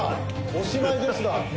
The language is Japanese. おしまいですだ。